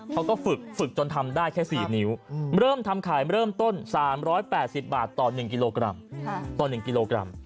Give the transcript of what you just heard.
เขาก็ฝึกฝึกจนทำได้แค่๔นิ้วเริ่มทำขายเริ่มต้น๓๘๐บาทต่อ๑กิโลกรัมต่อ๑กิโลกรัม